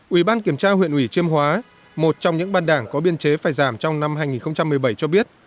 ủy ban kiểm tra huyện ủy chiêm hóa một trong những ban đảng có biên chế phải giảm trong năm hai nghìn một mươi bảy cho biết